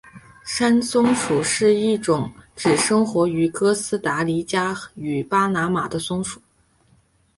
山松鼠是一种只生活于哥斯大黎加与巴拿马的松鼠。